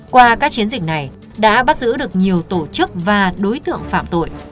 qua các chiến dịch này đã bắt giữ được nhiều tổ chức và đối tượng phạm tội